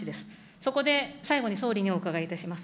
そこで最後に総理にお伺いいたします。